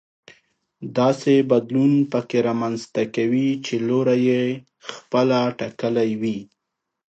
داسې بدلون پکې رامنځته کوي چې لوری يې خپله ټاکلی وي.